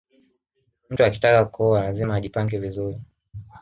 mtu akitaka kuoa lazima ajipange vizuri